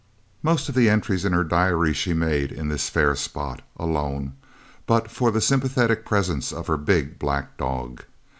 Most of the entries in her diary she made in this fair spot, alone, but for the sympathetic presence of her big black dog.